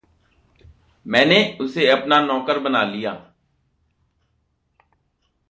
मैंने उसे अपना नौकर बना लिया।